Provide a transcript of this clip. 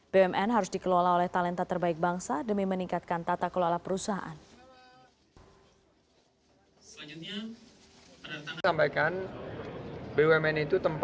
bumn harus dikelola oleh talenta terbaik bangsa demi meningkatkan tata kelola perusahaan